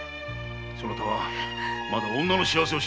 そなたはまだ女の幸せを知らん。